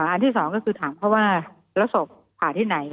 อันที่สองก็คือถามเขาว่าแล้วศพผ่าที่ไหน